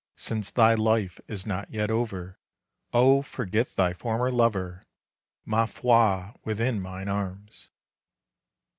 Since thy life is not yet over, Oh forget thy former lover, Ma foi! within mine arms.